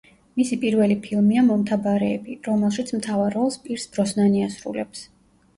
მისი პირველი ფილმია „მომთაბარეები“, რომელშიც მთავარ როლს პირს ბროსნანი ასრულებს.